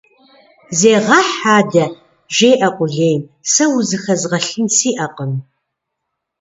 Зегъэхь адэ! - жеӀэ къулейм. - Сэ узыхэзгъэлъын сиӀэкъым.